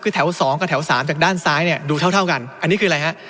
คือแถว๒กับแถว๓จากด้านซ้ายเนี่ยดูเท่ากันอันนี้คืออะไรฮะ